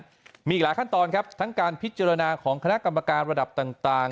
อีกหลายขั้นตอนครับทั้งการพิจารณาของคณะกรรมการระดับต่าง